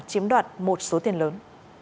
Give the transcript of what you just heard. chiếm đoạt một số tiền lớn